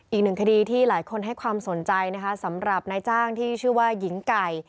อีกนึงคดีที่หลายคนให้ความสนใจสำหรับนายจ้างหญิงไก่